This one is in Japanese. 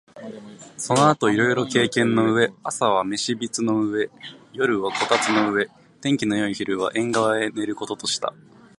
その後いろいろ経験の上、朝は飯櫃の上、夜は炬燵の上、天気のよい昼は縁側へ寝る事とした